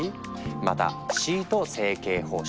また「シート成形方式」。